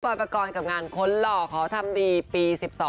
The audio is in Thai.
โบ๊ยปลากรกับงานคนหล่อขอทำดีปี๑๒